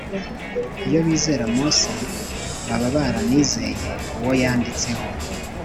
. Iyo bizera Mose baba baranizeye uwo yanditseho.